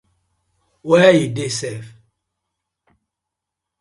Where yu dey sef?